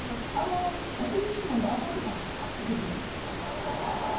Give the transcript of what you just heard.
ここにいつもいるあの男はちゃんとできるんですよ。